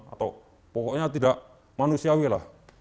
atau pokoknya tidak manusiawi lah